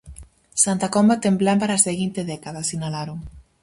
"Santa Comba ten plan para a seguinte década", sinalaron.